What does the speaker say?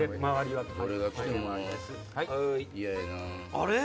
あれ？